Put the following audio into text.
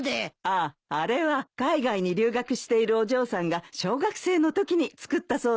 あああれは海外に留学しているお嬢さんが小学生のときに作ったそうなんだよ。